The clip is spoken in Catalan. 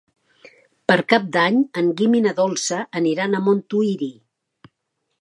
Per Cap d'Any en Guim i na Dolça aniran a Montuïri.